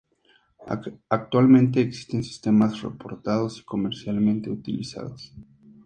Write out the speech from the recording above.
Actualmente existen sistemas reportados y comercialmente utilizados.